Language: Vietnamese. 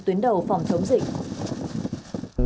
tuyến đầu phòng chống dịch